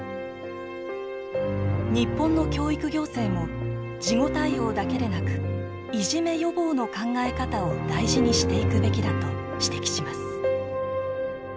日本の教育行政も事後対応だけでなくいじめ予防の考え方を大事にしていくべきだと指摘します。